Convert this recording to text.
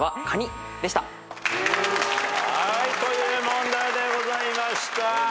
という問題でございました。